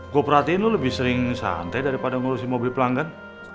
gue perhatiin lu lebih sering santai daripada ngurusi mobil pelanggan